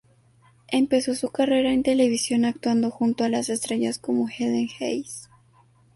Empezó su carrera en televisión actuando junto a estrellas como Helen Hayes.